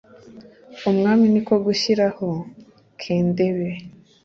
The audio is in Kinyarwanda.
umwami ni ko gushyiraho kendebe